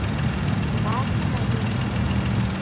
Дыгъуасэ мэремт.